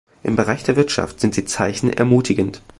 Im Bereich der Wirtschaft sind die Zeichen ermutigend.